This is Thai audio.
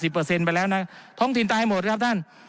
ไปแล้วนะท้องถิ่นตายหมดครับท่าน